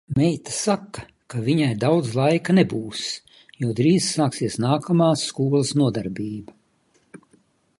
Meita saka, ka viņai daudz laika nebūs, jo drīz sāksies nākamā skolas nodarbība.